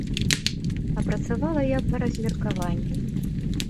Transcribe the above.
А працавала я па размеркаванні.